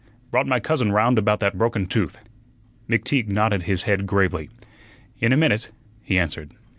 Brought my cousin round about that broken tooth." McTeague nodded his head gravely. "In a minute," he answered.